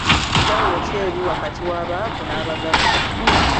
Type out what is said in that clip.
Njawulo ki eri wakati w'abaavu n'abagagga?